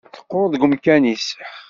Teqqur deg umkan-is.